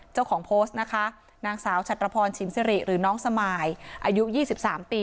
เจ้าของโพสต์นะคะนางสาวชัตรพรชิมสิริหรือน้องสมายอายุ๒๓ปี